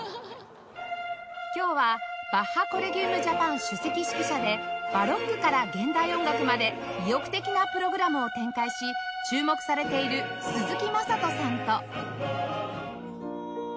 今日はバッハ・コレギウム・ジャパン首席指揮者でバロックから現代音楽まで意欲的なプログラムを展開し注目されている鈴木優人さんと